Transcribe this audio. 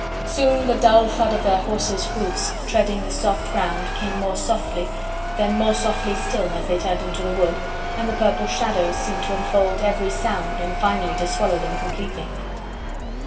Soon the dull thud of their horses' hoofs treading the soft ground came more softly then more softly still as they turned into the wood, and the purple shadows seemed to enfold every sound and finally to swallow them completely.